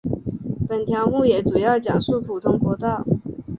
本条目也主要讲述普通国道。